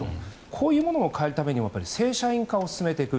こういうものを変えるために正社員化を進めていく。